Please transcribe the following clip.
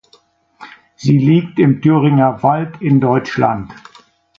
Sie liegt im Thüringer Wald in Deutschland.